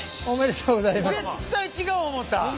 絶対違う思た！